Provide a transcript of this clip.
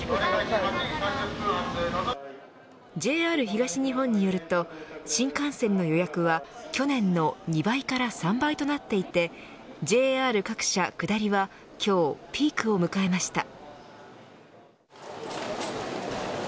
ＪＲ東日本によると新幹線の予約は去年の２倍から３倍となっていてＪＲ各社、下りは今日、ピークを迎えました。